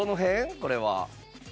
これは。